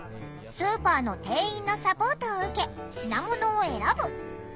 スーパーの店員のサポートを受け品物を選ぶ。